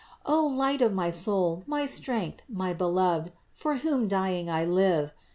O Light of my soul, my strength, my Beloved, for whom dying I live!